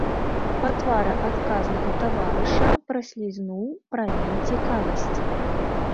Па твары адказнага таварыша праслізнуў прамень цікавасці.